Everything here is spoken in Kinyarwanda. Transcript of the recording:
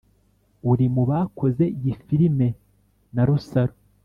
uri mu bakoze iyi filime na rusaro